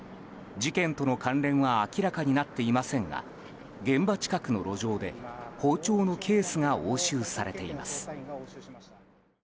事件との関連は明らかになっていませんが現場近くの路上で包丁のケースが押収されています。